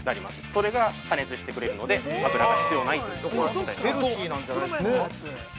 それが加熱してくれるので、油が必要ないということになります。